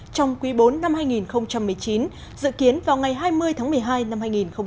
trong quý bốn năm hai nghìn một mươi chín dự kiến vào ngày hai mươi tháng một mươi hai năm hai nghìn hai mươi